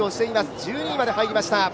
１２位まで入りました。